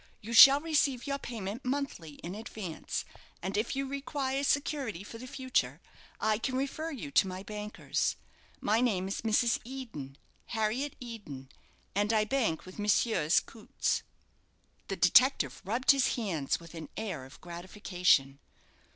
You shall receive your payment monthly, in advance; and if you require security for the future, I can refer you to my bankers. My name is Mrs. Eden Harriet Eden, and I bank with Messrs. Coutts." The detective rubbed his hands with a air of gratification.